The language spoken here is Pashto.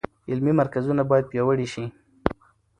علمي مرکزونه باید پیاوړي شي.